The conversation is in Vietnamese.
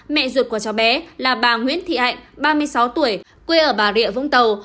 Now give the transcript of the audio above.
mẹ ruột của cháu bé là bà nguyễn thị hạnh ba mươi sáu tuổi quê ở bà rịa vũng tàu